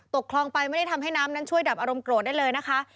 ตกคลองไปไม่ได้ทำให้น้ำนั้นช่วยดับอารมณโกรธได้เลยนะคะ